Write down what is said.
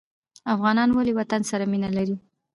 افغانان ولې وطن سره مینه لري؟